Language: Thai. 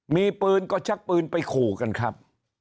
มีปืนก็ชักปืนไปขู่กันครับ